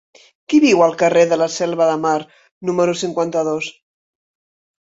Qui viu al carrer de la Selva de Mar número cinquanta-dos?